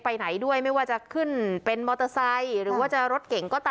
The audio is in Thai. ไปไหนด้วยไม่ว่าจะขึ้นเป็นมอเตอร์ไซค์หรือว่าจะรถเก่งก็ตาม